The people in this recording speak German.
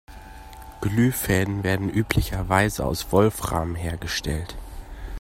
Glühfäden werden üblicherweise aus Wolfram hergestellt.